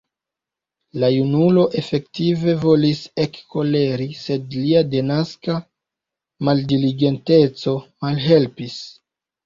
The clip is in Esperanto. La junulo efektive volis ekkoleri, sed lia denaska maldiligenteco malhelpis.